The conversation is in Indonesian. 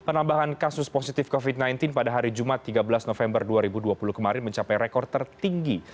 penambahan kasus positif covid sembilan belas pada hari jumat tiga belas november dua ribu dua puluh kemarin mencapai rekor tertinggi